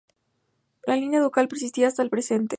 La línea ducal persiste hasta el presente.